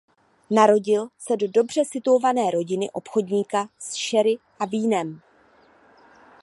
Narodil se do dobře situované rodiny obchodníka s cherry a vínem.